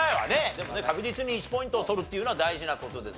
でもね確実に１ポイントを取るっていうのは大事な事です。